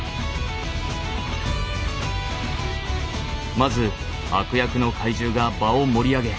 まず悪役の怪獣が場を盛り上げ